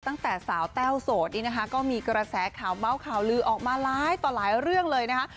ตั้งแต่สาวแต้วโสดนี้นะคะก็มีกระแสข่าวเมาส์ข่าวลือออกมาร้ายต่อหลายเรื่องเลยนะคะ